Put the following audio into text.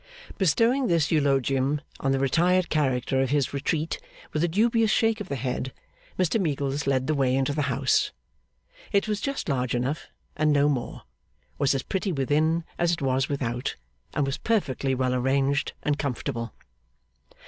Bestowing this eulogium on the retired character of his retreat with a dubious shake of the head, Mr Meagles led the way into the house. It was just large enough, and no more; was as pretty within as it was without, and was perfectly well arranged and comfortable.